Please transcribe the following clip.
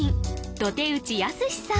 土堤内靖さん